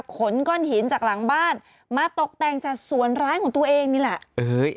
ขนก้อนหินจากหลังบ้านมาตกแต่งจากสวนร้ายของตัวเองนี่แหละ